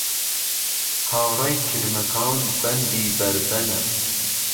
هاڕەی کرمهکان بهندی بەر بهنه